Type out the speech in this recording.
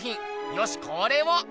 よしこれを。